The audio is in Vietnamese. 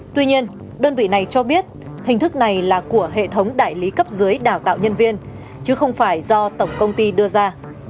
tuy nhiên đơn vị này cho biết hình thức này là của hệ thống đại lý cấp dưới đào tạo nhân viên chứ không phải do tổng công ty đưa ra